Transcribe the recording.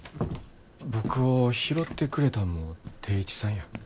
僕を拾ってくれたんも定一さんや。